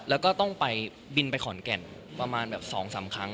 แล้วก็ต้องไปบินไปขอนแก่นประมาณแบบ๒๓ครั้ง